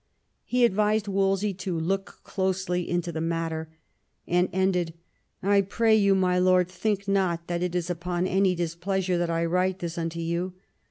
He advised Wolsey to look closely into the matter, and ended, " I pray you, my lord, think, not that it is upon any displeasure that I write this unto you.